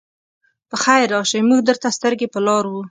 پخير راشئ! موږ درته سترګې په لار وو.